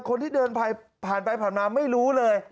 คนที่เดินผ่านไปผ่านมาไม่รู้เลย